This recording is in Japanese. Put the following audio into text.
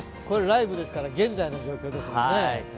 これ、ライブですから、現在の状況ですね。